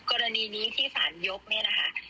กรณีนี้ที่สารยกเนี่ยนะคะ